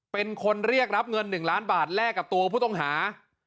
เป็นคนเรียกรับเงิน๑ล้านบาทแลกกับตัวผู้ต้องหา